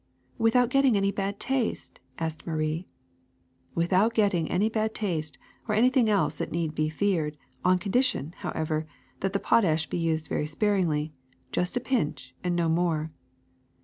''^^ Without getting any bad taste I" asked Marie. ^^ Without getting any bad taste or anything else that need be feared, on condition, however, that the potash be used very sparingly — ^just a pinch and no more.